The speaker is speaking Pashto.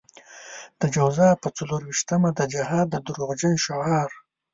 د جوزا په څلور وېشتمه د جهاد د دروغجن شعار.